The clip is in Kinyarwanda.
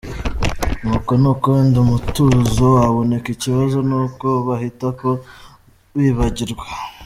Nuko nuko wenda umutuzo waboneka ikibazo nuko bahitako bibagirwa!!.